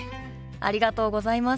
ありがとうございます。